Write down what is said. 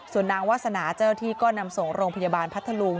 ส่วนนางวาสนาเจ้าที่ก็นำส่งโรงพยาบาลพัทธลุง